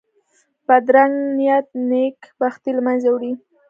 بدرنګه نیت نېک بختي له منځه وړي